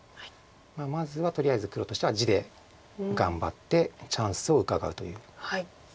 まずはとりあえず黒としては地で頑張ってチャンスをうかがうという。